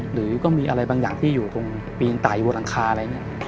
หรือก็มีอะไรบางอย่างที่อยู่ตรงปีนตายอยู่บนหลังคาอะไร